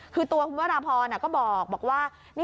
คือตัวคุณวราพรก็บอกว่า